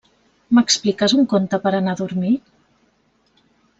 M'expliques un conte per a anar a dormir?